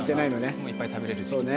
今いっぱい食べれる時期です。